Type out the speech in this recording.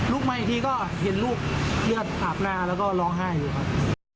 มาอีกทีก็เห็นลูกเลือดอาบหน้าแล้วก็ร้องไห้อยู่ครับ